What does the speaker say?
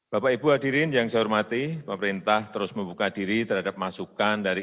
bapak ibu hadirin yang saya hormati pemerintah terus membuka diri terhadap masukan dari